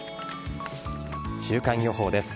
週間予報です。